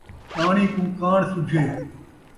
کاݨی کوں کاݨ سُجھے